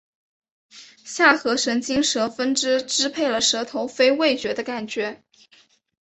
下颌神经舌分支支配了舌头非味觉的感觉